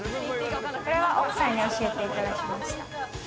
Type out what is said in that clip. これは奥さんに教えてもらいました。